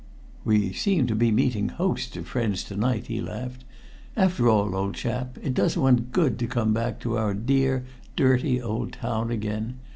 "We seem to be meeting hosts of friends to night," he laughed. "After all, old chap, it does one good to come back to our dear, dirty old town again.